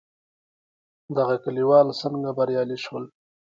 دغه کليوال څنګه بريالي شول؟